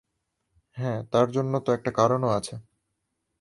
হ্যা, তার জন্য তো একটা কারণ ও আছে।